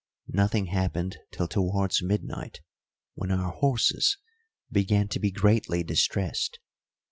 Nothing happened till towards midnight, when our horses began to be greatly distressed.